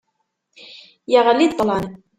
Yeɣli-d ṭṭlam.